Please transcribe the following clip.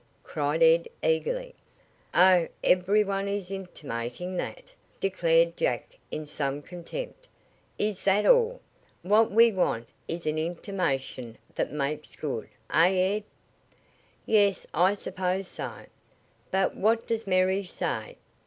cried Ed eagerly. "Oh, every one is intimating that," declared Jack in some contempt. "Is that all? What we want is an intimation that makes good, eh, Ed?" "Yes, I suppose so. But what does Mary say?"